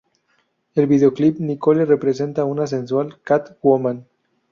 En el videoclip, Nicole representa a una sensual "Cat Woman".